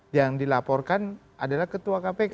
yang dilaporkan adalah ketua kpk